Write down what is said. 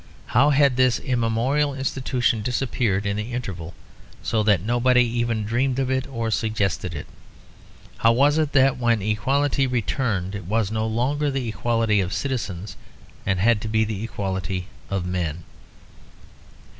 How had this immemorial institution disappeared in the interval, so that nobody even dreamed of it or suggested it? How was it that when equality returned, it was no longer the equality of citizens, and had to be the equality of men?